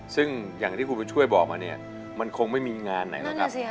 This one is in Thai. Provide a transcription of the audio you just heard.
ซึ่งอย่างที่คุณบุญช่วยบอกมาเนี่ยมันคงไม่มีงานไหนหรอกครับ